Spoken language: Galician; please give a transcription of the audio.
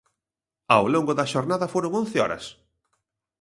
Ao longo da xornada foron once horas.